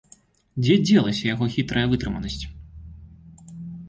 Дзе дзелася яго хітрая вытрыманасць!